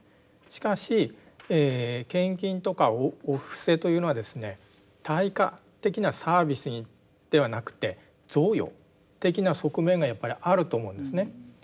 しかし献金とかお布施というのはですね対価的なサービスにではなくて贈与的な側面がやっぱりあると思うんですね。